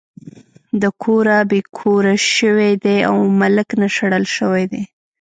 د کوره بې کوره شوے دے او ملک نه شړلے شوے دے